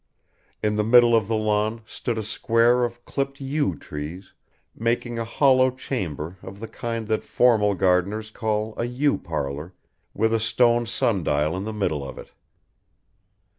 In the middle of the lawn stood a square of clipped yew trees, making a hollow chamber of the kind that formal gardeners call a yew parlour, with a stone sundial in the middle of it.